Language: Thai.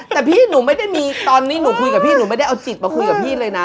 แต่พี่หนูไม่ได้มีตอนนี้หนูคุยกับพี่หนูไม่ได้เอาจิตมาคุยกับพี่เลยนะ